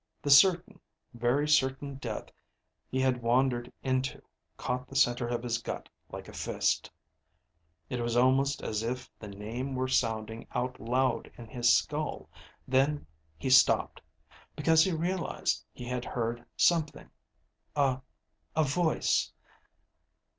_ The certain, very certain death he had wandered into caught the center of his gut like a fist. It was almost as if the name were sounding out loud in his skull. Then he stopped. Because he realized he had heard something. A ... a voice!